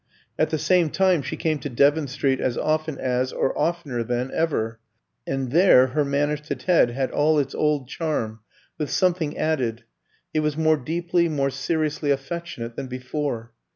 At the same time she came to Devon Street as often as, or oftener than, ever, and there her manner to Ted had all its old charm, with something added; it was more deeply, more seriously affectionate than before.